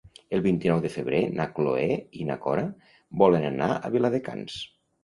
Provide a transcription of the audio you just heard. El vint-i-nou de febrer na Cloè i na Cora volen anar a Viladecans.